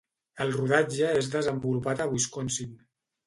El rodatge és desenvolupat a Wisconsin.